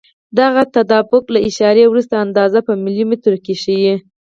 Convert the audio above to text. دغه تطابق له اعشاریه وروسته اندازه په ملي مترو کې ښیي.